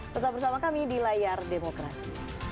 tetap bersama kami di layar demokrasi